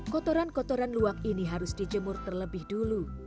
kotoran kotoran luwak ini harus dijemur terlebih dulu